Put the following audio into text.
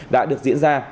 đã được diễn ra